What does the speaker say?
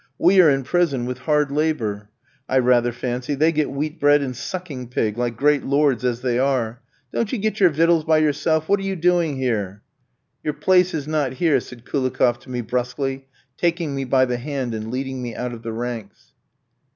We are in prison, with hard labour, I rather fancy; they get wheat bread and sucking pig, like great lords as they are. Don't you get your victuals by yourself? What are you doing here?" "Your place is not here," said Koulikoff to me brusquely, taking me by the hand and leading me out of the ranks.